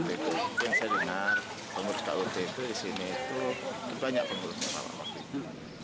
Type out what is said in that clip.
itu yang saya dengar pengurusan ut itu di sini itu banyak pengurusan pak waktu itu